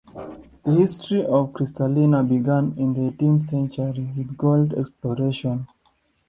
The history of Cristalina began in the eighteenth century with gold exploration.